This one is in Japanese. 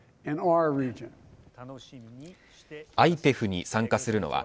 ＩＰＥＦに参加するのは